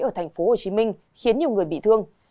ở thành phố hồ chí minh khiến nhiều người bị thương